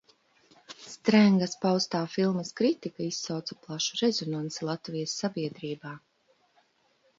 Strengas paustā filmas kritika izsauca plašu rezonansi Latvijas sabiedrībā.